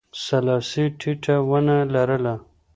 سلاسي ټیټه ونه لرله.